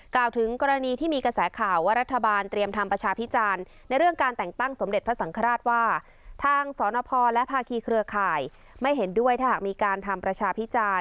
กล่าวถึงกรณีที่มีกระแสข่าวว่ารัฐบาลเตรียมทำประชาพิจารณ์ในเรื่องการแต่งตั้งสมเด็จพระสังฆราชว่าทางสนพและภาคีเครือข่ายไม่เห็นด้วยถ้าหากมีการทำประชาพิจารณ์